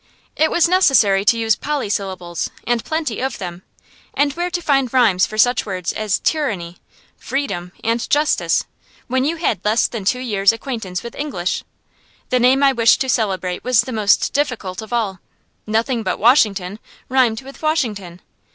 It was necessary to use polysyllables, and plenty of them; and where to find rhymes for such words as "tyranny," "freedom," and "justice," when you had less than two years' acquaintance with English! The name I wished to celebrate was the most difficult of all. Nothing but "Washington" rhymed with "Washington."